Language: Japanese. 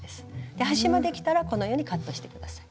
端まできたらこのようにカットして下さい。